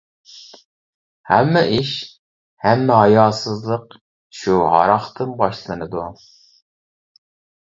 ھەممە ئىش، ھەممە ھاياسىزلىق شۇ ھاراقتىن باشلىنىدۇ.